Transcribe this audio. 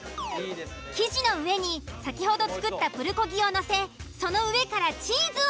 生地の上に先ほど作ったプルコギをのせその上からチーズを。